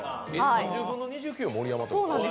３０分の２９盛山ってこと？